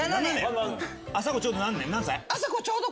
あさこちょうど。